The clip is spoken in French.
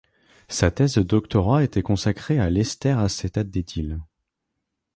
Sa thèse de doctorat était consacrée à l’ester acétate d'éthyle.